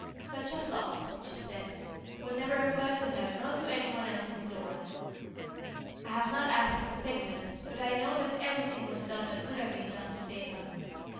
"Such a thought," she said, "will never occur to her nor to any one else in Mizora. I have not asked the particulars, but I know that everything was done that could have been done to save her.